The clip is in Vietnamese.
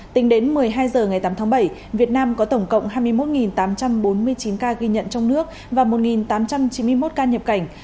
tính đến một mươi hai h ngày tám tháng bảy việt nam có tổng cộng hai mươi một tám trăm bốn mươi chín ca ghi nhận trong nước và một tám trăm chín mươi một ca nhập cảnh